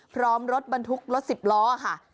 พร้อมรถบรรทุกรถสิบล้อค่ะ